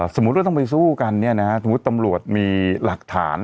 สมมุติว่าต้องไปสู้กันเนี่ยนะสมมุติตำรวจมีหลักฐาน